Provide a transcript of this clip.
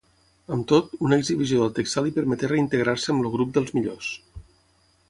Amb tot, una exhibició del texà li permeté reintegrar-se amb el grup dels millors.